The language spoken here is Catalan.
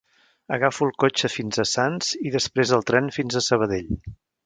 Agafo el cotxe fins a Sants i després el tren fins a Sabadell.